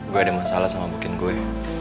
gue ada masalah sama bikin gue